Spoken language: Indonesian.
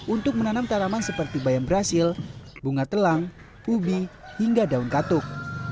untuk menanam tanaman seperti bayam brazil bunga telang ubi hingga daun katuk